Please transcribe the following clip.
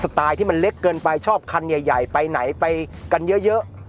ไตล์ที่มันเล็กเกินไปชอบคันใหญ่ไปไหนไปกันเยอะ